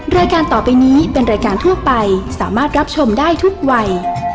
รายการต่อไปนี้เป็นรายการทั่วไปสามารถรับชมได้ทุกวัย